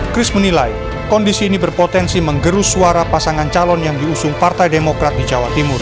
chris menilai kondisi ini berpotensi menggerus suara pasangan calon yang diusung partai demokrat di jawa timur